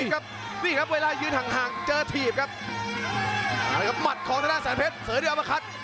กับมัดของเทศนาแสนเพชรเสือด้วยอัมพคัท